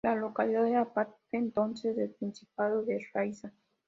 La localidad era parte entonces del principado de Riazán.